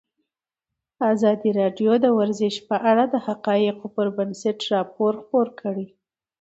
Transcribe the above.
ازادي راډیو د ورزش په اړه د حقایقو پر بنسټ راپور خپور کړی.